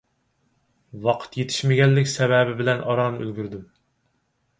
ۋاقىت يېتىشمىگەنلىك سەۋەبى بىلەن ئاران ئۈلگۈردۈم.